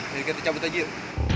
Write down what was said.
mereka tercabut aja yuk